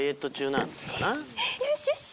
よしよし！